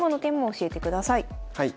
はい。